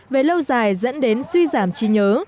về lâu dài dẫn đến suy giảm trí nhớ